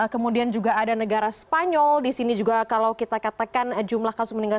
kemudian juga ada negara spanyol di sini juga kalau kita katakan jumlah kasus meninggal